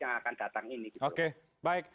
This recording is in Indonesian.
yang akan datang ini gitu baik